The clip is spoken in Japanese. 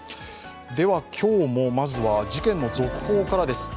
今日もまずは事件の続報からです。